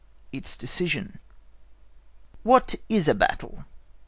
ITS DECISION What is a battle?